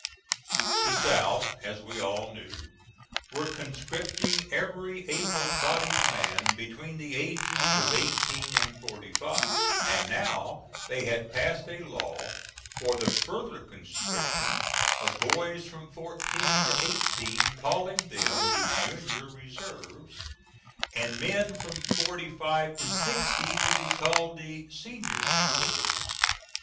The South, as we all knew, were conscripting every able bodied man between the ages of eighteen and forty five; and now they had passed a law for the further conscription of boys from fourteen to eighteen, calling them the junior reserves, and men from forty five to sixty to be called the senior reserves.